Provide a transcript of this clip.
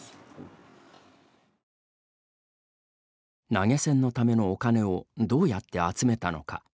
投げ銭のためのお金をどうやって集めたのか。